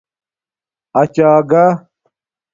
اچݳگہ